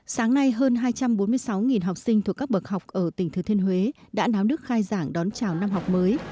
sáng nay hơn hai trăm bốn mươi sáu học sinh thuộc các bậc học ở tỉnh thừa thiên huế đã náo nước khai giảng đón chào năm học mới